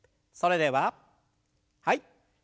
それでははい。